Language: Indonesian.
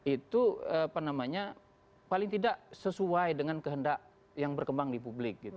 itu apa namanya paling tidak sesuai dengan kehendak yang berkembang di publik